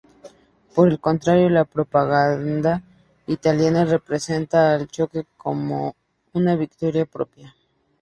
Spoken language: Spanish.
Por el contrario, la propaganda italiana representa al choque como una victoria propia.